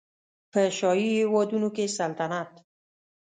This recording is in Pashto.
په شاهي هېوادونو کې سلطنت